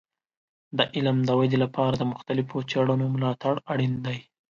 د علم د ودې لپاره د مختلفو څیړنو ملاتړ اړین دی.